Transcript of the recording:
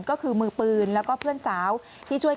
ก็คือมือปืนแล้วก็เพื่อนสาว